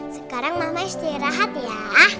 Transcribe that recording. sekarang mama istirahat ya